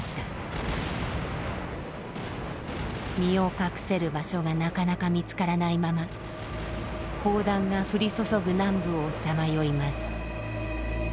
身を隠せる場所がなかなか見つからないまま砲弾が降り注ぐ南部をさまよいます。